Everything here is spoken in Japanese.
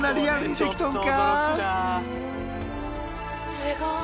すごい。